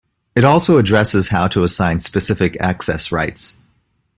It also addresses how to assign specific access rights.